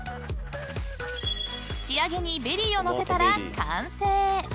［仕上げにベリーを載せたら完成］